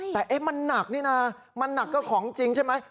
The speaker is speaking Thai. แต่มันหนักนี่นะมันหนักก็ของจริงใช่ไหม